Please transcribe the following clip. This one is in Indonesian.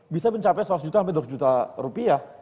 bisa mencapai seratus juta sampai dua ratus juta rupiah